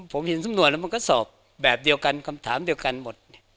ผมเห็นสำนวนแล้วมันก็สอบแบบเดียวกันคำถามเดียวกันหมด